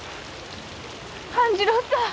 半次郎さん！